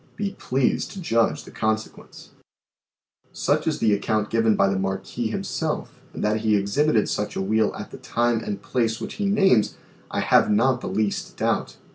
Be pleased to judge the consequence." PERPETUAL MOTION 75 Such is the account given by the Marquis himself, and that he exhibited such a wheel at the time and place which he names, I have not the least doubt.